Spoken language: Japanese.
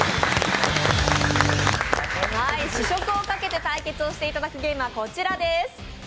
試食をかけて対決をしていただくゲームはこちらです。